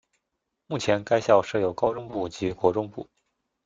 目前该校设有高中部及国中部。